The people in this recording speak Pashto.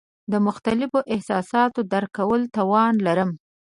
زه د مختلفو احساساتو درک کولو توان لرم.